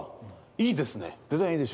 いいですね。